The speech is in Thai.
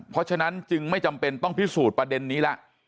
เพราะฉะนั้นจึงไม่จำเป็นต้องพิสูจน์ประเด็นนี้ละ